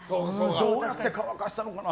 どうやって乾かしたのかな？